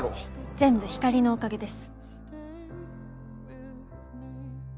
全部光のおかげです。